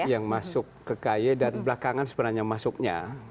yang masuk ke ky dan belakangan sebenarnya masuknya